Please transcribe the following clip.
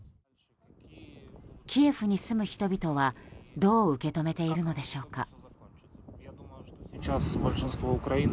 キエフに住む人々はどう受け止めているのでしょうか。